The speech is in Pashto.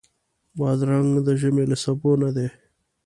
بادرنګ د ژمي له سبو نه دی.